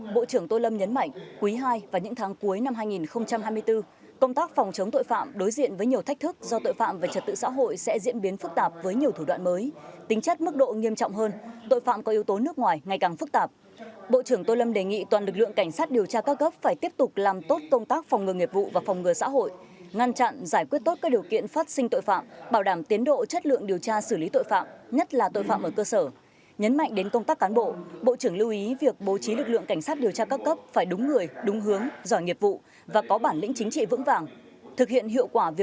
bộ trưởng tô lâm nhấn mạnh quý ii và những tháng cuối năm hai nghìn hai mươi bốn công tác phòng chống tội phạm đối diện với nhiều thách thức do tội phạm và trật tự xã hội sẽ diễn biến phức tạp với nhiều thách thức do tội phạm và trật tự xã hội sẽ diễn biến phức tạp với nhiều thách thức do tội phạm và trật tự xã hội sẽ diễn biến phức tạp